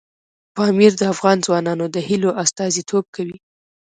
پامیر د افغان ځوانانو د هیلو استازیتوب کوي.